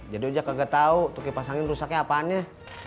jadi ojak gak tau tuh kipas angin rusaknya apaannya